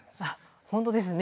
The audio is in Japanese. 本当ですね。